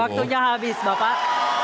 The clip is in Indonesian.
baik waktunya habis bapak